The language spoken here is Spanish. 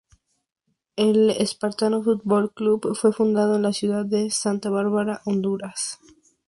El Espartano Fútbol Club fue fundado en la ciudad de Santa Bárbara, Honduras.